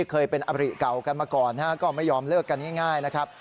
เคยเป็นอบริเก่ากันมาก่อนก็ไม่ยอมเลิกกันง่ายนะครับ